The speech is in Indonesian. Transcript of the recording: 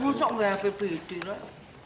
busuknya hpbd lah